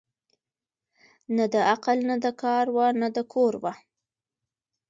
نه د عقل نه د کار وه نه د کور وه